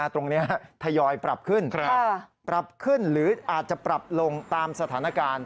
ทยอยปรับขึ้นปรับขึ้นหรืออาจจะปรับลงตามสถานการณ์